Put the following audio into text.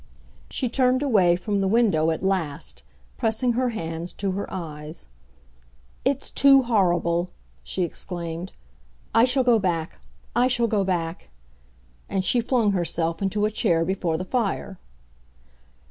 She turned away from the window at last, pressing her hands to her eyes. "It's too horrible!" she exclaimed. "I shall go back—I shall go back!" And she flung herself into a chair before the fire.